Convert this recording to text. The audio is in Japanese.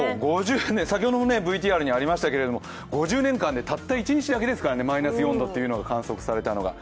先ほどＶＴＲにもありましたけれどもたった５０年前に１度ですから、マイナス４度というのが観測されたのが。